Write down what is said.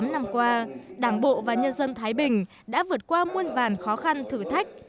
bốn mươi năm năm qua đảng bộ và nhân dân thái bình đã vượt qua muôn vàn khó khăn thử thách